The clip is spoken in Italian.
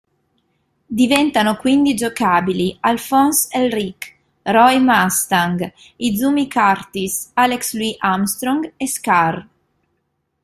Diventano quindi giocabili: Alphonse Elric, Roy Mustang, Izumi Curtis, Alex Louis Armstrong, e Scar.